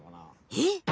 えっ！